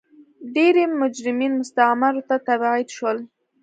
ډېری مجرمین مستعمرو ته تبعید شول.